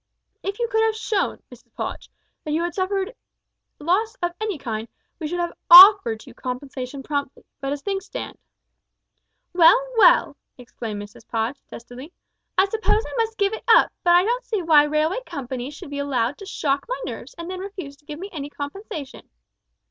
If you could have shown, Mrs Podge, that you had suffered loss of any kind, we should have offered you compensation promptly, but as things stand " "Well, well," exclaimed Mrs Podge, testily. "I suppose I must give it up, but I don't see why railway companies should be allowed to shock my nerves and then refuse to give me any compensation!"